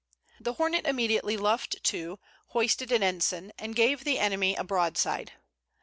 The Hornet immediately luffed to, hoisted an ensign, and gave the enemy a broadside.